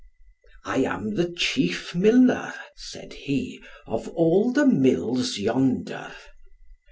"I am the chief miller," said he, "of all the mills yonder."